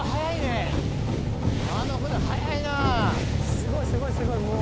すごいすごいすごいもう。